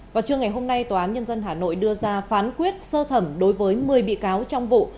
vào trưa ngày hôm nay tòa án nhân dân hà nội đưa ra phán quyết sơ thẩm đối với một mươi bị cáo trong vụ